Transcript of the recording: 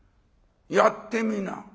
やってみな」。